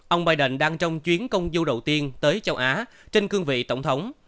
ông biden đang trong chuyến công du đầu tiên tới châu á trên cương vị tổng thống